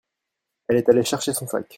Elle est allée chercher son sac.